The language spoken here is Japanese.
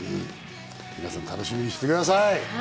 皆さん、楽しみにしてください。